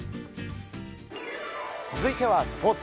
続いては、スポーツ。